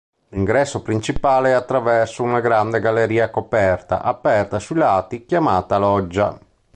L'ingresso principale è attraverso una grande galleria coperta, aperta sui lati, chiamata loggia.